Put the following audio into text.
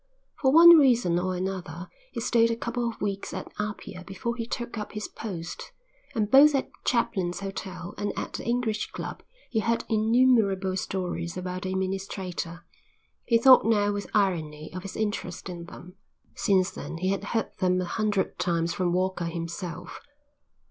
For one reason or another he stayed a couple of weeks at Apia before he took up his post and both at Chaplin's hotel and at the English club he heard innumerable stories about the administrator. He thought now with irony of his interest in them. Since then he had heard them a hundred times from Walker himself.